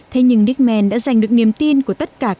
thế nhưng dickman đã giành được niềm tin của tất cả các khách hàng